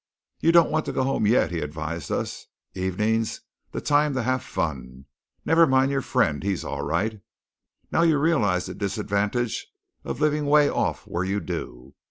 "You don't want to go home yet," he advised us. "Evening's the time to have fun. Never mind your friend; he's all right. Now you realize the disadvantage of living way off where you do.